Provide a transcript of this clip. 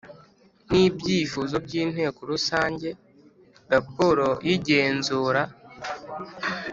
n ibyifuzo by inteko rusange Raporo y igenzura